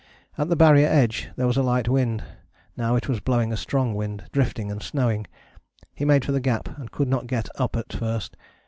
At the Barrier edge there was a light wind, now it was blowing a strong wind, drifting and snowing. He made for the Gap and could not get up at first.